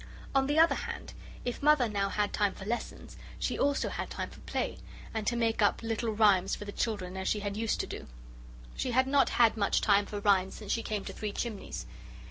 On the other hand, if Mother now had time for lessons, she also had time for play, and to make up little rhymes for the children as she used to do. She had not had much time for rhymes since she came to Three Chimneys.